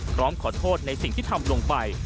พร้อมขอโทษในสิ่งที่ทำลงไป